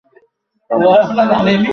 কাল তোমাকে ওঁর কাছে যেতেই হচ্ছে।